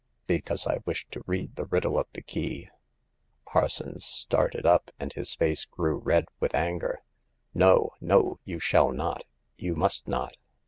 Because I wish to read the riddle of the key.'' Parsons started up, and his face grew red with anger. No, no 1 You shall not— you must not